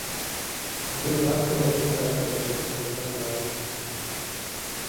দুর্ভাগ্যবশত, তাঁদের কোন সন্তান হয়নি।